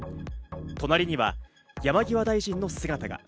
隣には山際大臣の姿が。